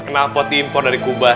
kenalpot impor dari kuba